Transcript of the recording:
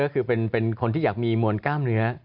ก็คือเป็นคนที่อยากมีมวลกล้ามเนื้อ